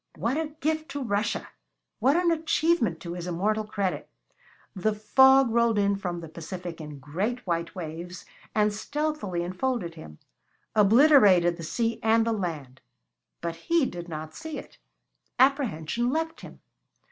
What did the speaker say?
What a gift to Russia! What an achievement to his immortal credit! The fog rolled in from the Pacific in great white waves and stealthily enfolded him, obliterated the sea and the land. But he did not see it. Apprehension left him.